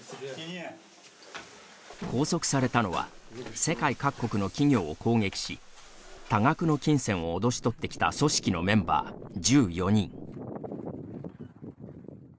拘束されたのは世界各国の企業を攻撃し多額の金銭を脅し取ってきた組織のメンバー１４人。